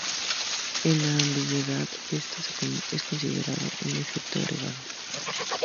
La ambigüedad de esto es considerada un efecto agregado.